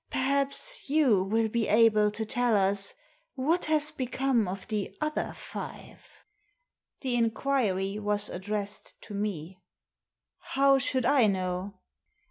Perhaps you will be able to tell us what has become of the other five ?" The inquiry was addressed to me, "How should I know?"